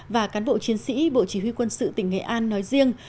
và cán bộ chiến sĩ bộ chỉ huy quân sự tỉnh nghệ an nói riêng